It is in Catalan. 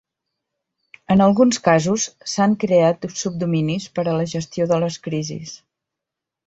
En alguns casos, s'han creat subdominis per a la gestió de les crisis.